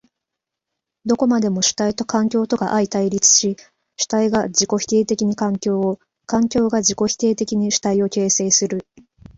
どこまでも主体と環境とが相対立し、主体が自己否定的に環境を、環境が自己否定的に主体を形成する。